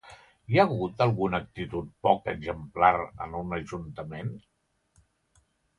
Hi ha hagut alguna actitud poc exemplar en un ajuntament?